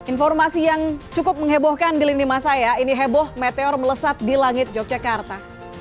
informasi yang cukup menghebohkan di lini masa ya ini heboh meteor melesat di langit yogyakarta